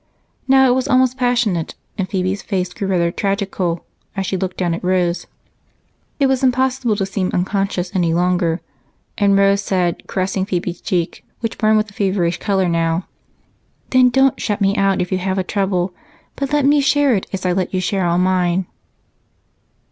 Now it was almost passionate, and Phebe's face grew rather tragical as she looked down at Rose. It was impossible to seem unconscious any longer, and Rose said, caressing Phebe's cheek, which burned with a feverish color now: "Then don't shut me out if you have a trouble, but let me share it as I let you share all mine."